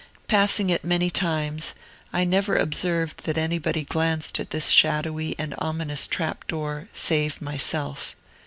Passing it many times, I never observed that anybody glanced at this shadowy and ominous trap door, save myself.